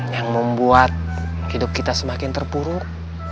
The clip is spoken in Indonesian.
yang membuat hidup kita semakin terpuruk